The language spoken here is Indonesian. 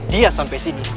dia sampai sini